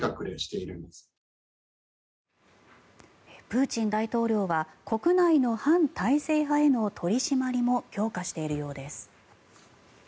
プーチン大統領は国内の反体制派への取り締まりも強化しているようです。